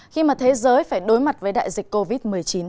khi mà thế giới phải đối mặt với đại dịch covid một mươi chín